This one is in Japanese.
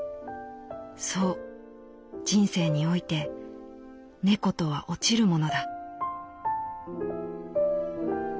そう人生において猫とは落ちるものだ」。